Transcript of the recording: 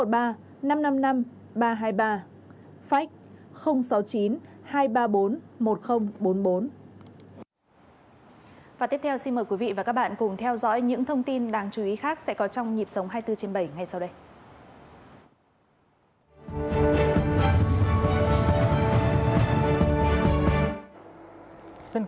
và tiếp theo xin mời quý vị và các bạn cùng theo dõi những thông tin đáng chú ý khác sẽ có trong nhịp sống hai mươi bốn trên bảy ngay sau đây